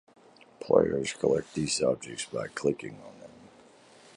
Players collect these objects by clicking on them.